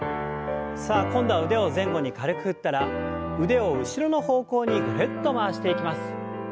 さあ今度は腕を前後に軽く振ったら腕を後ろの方向にぐるっと回していきます。